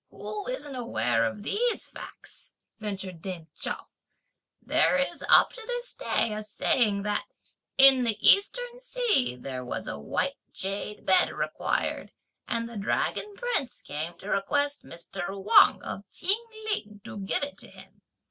"Who isn't aware of these facts?" ventured dame Chao; "there is up to this day a saying that, 'in the eastern sea, there was a white jade bed required, and the dragon prince came to request Mr. Wang of Chin Ling (to give it to him)!'